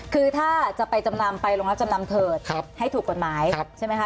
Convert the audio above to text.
คือถ้าจะไปจำนำไปโรงรับจำนำเถิดให้ถูกกฎหมายใช่ไหมคะ